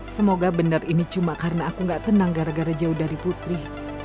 semoga benar ini cuma karena aku gak tenang gara gara jauh dari putri